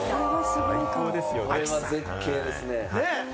これは絶景ですね。